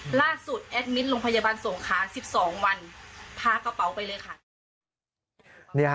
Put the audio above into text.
พากระเป๋าไปเลยค่ะ